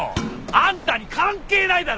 あんたに関係ないだろ！